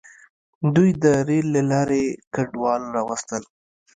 دوی د ریل له لارې کډوال راوستل.